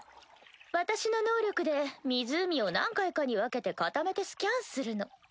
私の能力で湖を何回かに分けて固めてスキャンするの。